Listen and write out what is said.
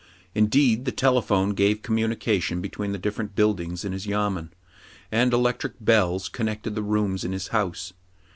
Indeed, the telephone gave communication between the differ ent buildings in his yamen ; and electric bells con nected the rooms in his house.